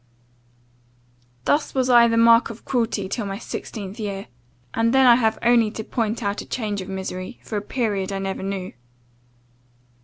"Thus was I the mark of cruelty till my sixteenth year; and then I have only to point out a change of misery; for a period I never knew.